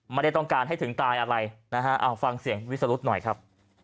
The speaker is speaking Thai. มันได้ต้องการให้ถึงตายอะไรฟังเสียงวิสุทธิ์หน่อยครับ